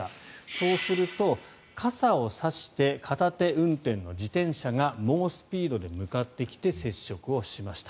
そうすると傘を差して片手運転の自転車が猛スピードで向かってきて接触をしました。